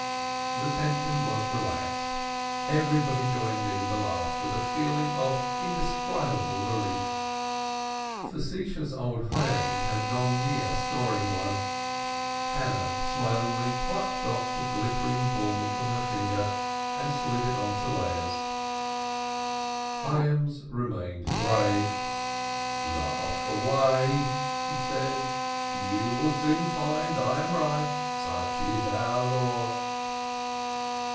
The tension was relaxed. Everybody joined in the laugh with a feeling of indescribable relief. Facetious old Hyams had gone near scoring one. Hannah smilingly plucked off the glittering bauble from her finger and slid it on to Leah's. Hyams alone remained grave. "Laugh away!" he said. "You will soon find I am right. Such is our law."